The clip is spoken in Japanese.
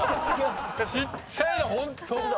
ちっちゃいなホント！